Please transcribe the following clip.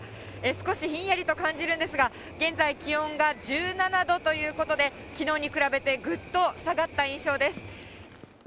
少しひんやりと感じるんですが、現在、気温が１７度ということで、きのうに比べて、ぐっと下がった印象です。